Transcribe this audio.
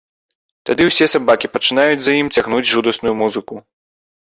Тады ўсе сабакі пачынаюць за ім цягнуць жудасную музыку.